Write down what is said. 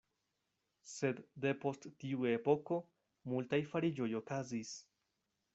Sed depost tiu epoko multaj fariĝoj okazis.